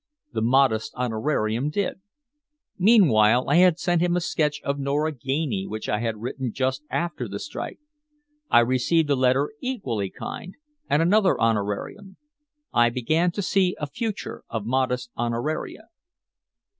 The modest honorarium did. Meanwhile I had sent him a sketch of Nora Ganey which I had written just after the strike. I received a letter equally kind, and another honorarium. I began to see a future of modest honoraria.